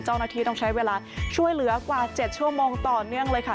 เจ้าหน้าที่ต้องใช้เวลาช่วยเหลือกว่า๗ชั่วโมงต่อเนื่องเลยค่ะ